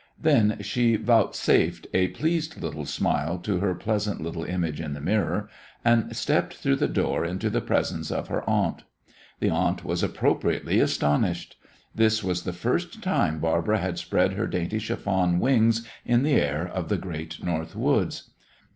Then she vouchsafed a pleased little smile to her pleasant little image in the mirror, and stepped through the door into the presence of her aunt. The aunt was appropriately astonished. This was the first time Barbara had spread her dainty chiffon wings in the air of the great north woods.